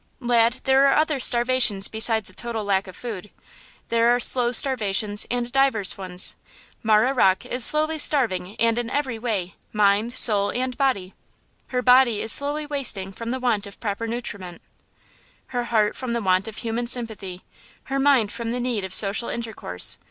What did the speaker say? "Lad, there are other starvations besides the total lack of food. There are slow starvations and divers ones. Marah Rocke is starving slowly and in every way–mind, soul and body. Her body is slowly wasting from the want of proper nutriment, her heart from the want of human sympathy, her mind from the need of social intercourse.